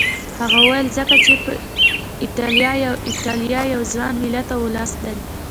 هغه وویل ځکه چې ایټالیا یو ځوان ملت او ولس دی.